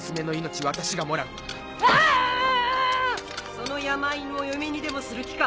その山犬を嫁にでもする気か？